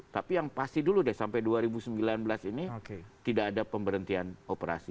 tapi yang pasti dulu deh sampai dua ribu sembilan belas ini tidak ada pemberhentian operasi